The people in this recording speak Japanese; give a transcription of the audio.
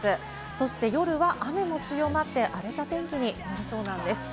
そして夜は雨も広まって、荒れた天気になりそうです。